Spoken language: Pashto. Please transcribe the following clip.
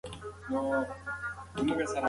د سولې طرحه د مسوولیتونو پر بنسټ ده.